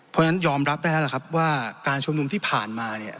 เพราะฉะนั้นยอมรับได้แล้วล่ะครับว่าการชุมนุมที่ผ่านมาเนี่ย